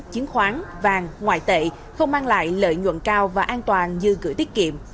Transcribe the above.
chiến khoán vàng ngoại tệ không mang lại lợi nhuận cao và an toàn như gửi tiết kiệm